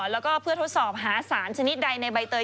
แล้วก็เพื่อทดสอบหาสารชนิดใดในใบเตย